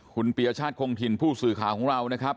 คุณปียชาติคงถิ่นผู้สื่อข่าวของเรานะครับ